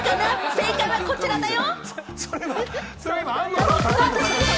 正解はこちらだよ。